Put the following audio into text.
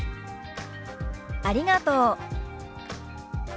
「ありがとう」。